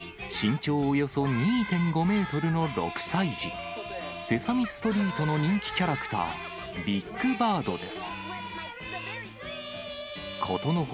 渦中にいるのは、身長およそ２．５メートルの６歳児、セサミストリートの人気キャラクター、ビッグバードです。